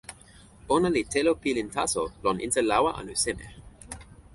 ona li telo pilin taso lon insa lawa anu seme?